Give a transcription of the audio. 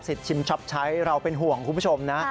ชิมช็อปใช้เราเป็นห่วงคุณผู้ชมนะ